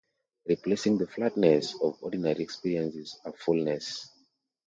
Replacing the flatness of ordinary experience is a fullness.